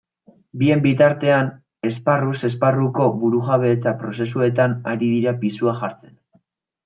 Bien bitartean, esparruz esparruko burujabetza prozesuetan ari dira pisua jartzen.